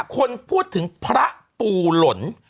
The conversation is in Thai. คนพูดถึงพระปูหล่น